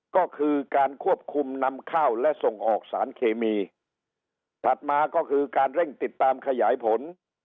ก็คือการควบคุมนำข้าวและส่งออกสารเคมีถัดมาก็คือการเร่งติดตามขยายผล